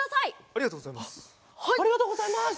ありがとうございます。